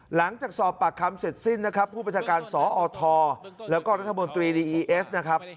หลังจากสอบปากคำเสร็จสิ้นนะครับผู้ประชาการสอทแล้วก็รัฐมนตรีดีอีเอสนะครับ